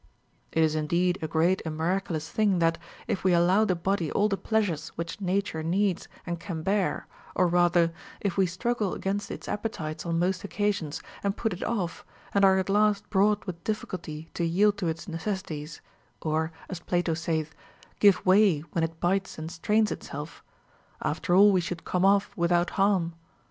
7. It is indeed a great and miraculous thing that, if we allow the body all the pleasures Λvhich nature needs and can bear, — or rather, if we struggle against its appetites on most occasions and put it off, and are at last brouglit with difficulty to yield to its necessities, or (as Plato saith) give way when it bites and strains itself, — after all we should come off without harm.